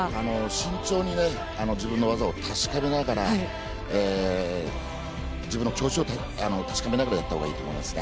慎重に自分の技を確かめながら自分の調子を確かめながらやったほうがいいと思いますね。